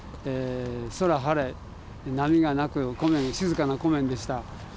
空晴れ波がなく湖面静かな湖面でした。